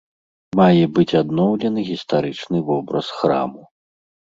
Мае быць адноўлены гістарычны вобраз храму.